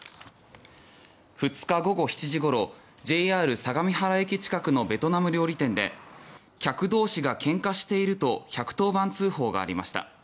２日午後７時ごろＪＲ相模原駅近くのベトナム料理店で「客同士がけんかしている」と１１０番通報がありました。